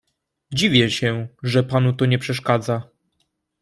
"Dziwię się, że panu to nie przeszkadza."